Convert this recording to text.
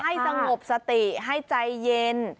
ให้สงบสติให้ใจเย็น